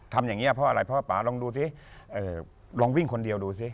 ทำอย่างเงี้ยเพราะอะไรเพราะว่าป่าลองดูสิเอ่อลองวิ่งคนเดียวดูสิ